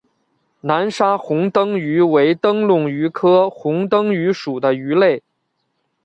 南沙虹灯鱼为灯笼鱼科虹灯鱼属的鱼类。